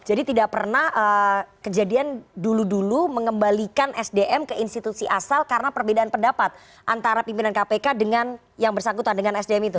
jadi tidak pernah kejadian dulu dulu mengembalikan sdm ke institusi asal karena perbedaan pendapat antara pimpinan kpk dengan yang bersangkutan dengan sdm itu